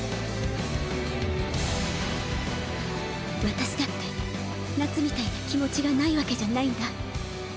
私だって夏みたいな気持ちがないわけじゃないんだ。